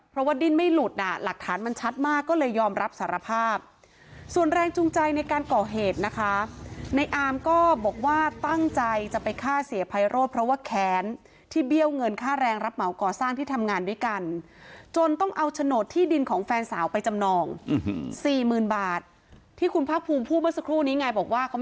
เพราะว่าดิ้นไม่หลุดน่ะหลักฐานมันชัดมากก็เลยยอมรับสารภาพส่วนแรงจูงใจในการก่อเหตุนะคะในอามก็บอกว่าตั้งใจจะไปฆ่าเสียไพโรธเพราะว่าแค้นที่เบี้ยวเงินค่าแรงรับเหมาก่อสร้างที่ทำงานด้วยกันจนต้องเอาโฉนดที่ดินของแฟนสาวไปจำนองสี่หมื่นบาทที่คุณภาคภูมิพูดเมื่อสักครู่นี้ไงบอกว่าเขา